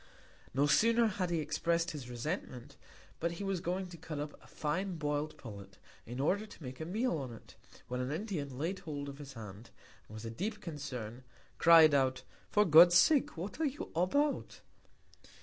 No sooner had he express'd his Resentment, but he was going to cut up a fine boil'd Pullet, in order to make a Meal on't, when an Indian laid hold of his Hand, and with deep Concern, cried out, For God's Sake what are you about?